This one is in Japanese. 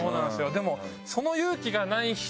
でも。